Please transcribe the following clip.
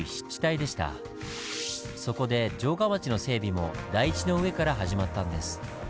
そこで城下町の整備も台地の上から始まったんです。